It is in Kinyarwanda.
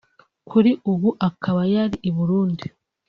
kuri ubu akaba yari i Burundi